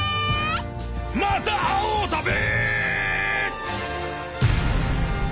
また会おうだべ！